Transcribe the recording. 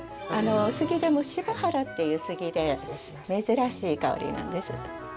杉でも芝原っていう杉で珍しい香りなんです。